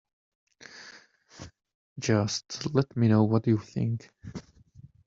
Just let me know what you think